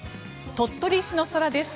鳥取市の空です。